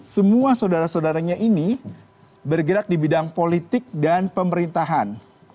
semua saudara saudaranya ini bergerak di bidang politik dan pemerintahan